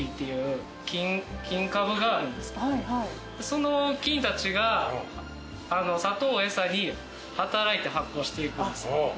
その菌たちが砂糖を餌に働いて発酵していくんです。